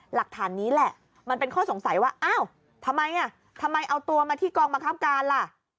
หลักฐานนี้แหละมันเป็นข้อสงสัยว่าอ้าวทำไมอ่ะทำไมทำไมเอาตัวมาที่กองบังคับการล่ะ